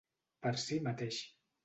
Per si mateix.